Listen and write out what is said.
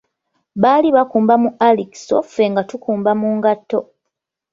Baali bakumba mu arikiso Ffe nga tukumba mu ngatto!